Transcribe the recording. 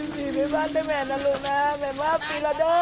ฝีไปบ้านได้แหมนอ่ะหรือนะแหมนว่าฟรีแล้วจ้า